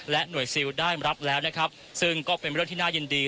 หน่วยซิลได้รับแล้วนะครับซึ่งก็เป็นเรื่องที่น่ายินดี